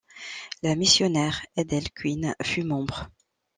La missionnaire Edel Quinn fut membre.